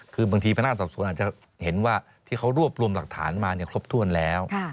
คือบางทีพนักงานสอบสวนอาจจะเห็นว่าที่เขารวบรวมหลักฐานมาครบถ้วนแล้ว